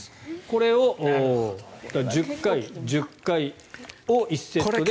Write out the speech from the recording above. これを１０回、１０回を１セットで。